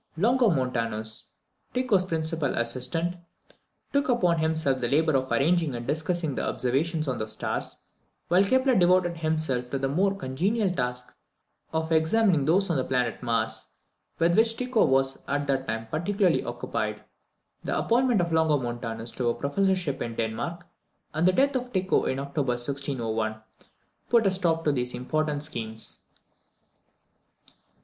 Longomontanus, Tycho's principal assistant, took upon himself the labour of arranging and discussing the observations on the stars, while Kepler devoted himself to the more congenial task of examining those on the planet Mars, with which Tycho was at that time particularly occupied. The appointment of Longomontanus to a professorship in Denmark, and the death of Tycho in October 1601, put a stop to these important schemes.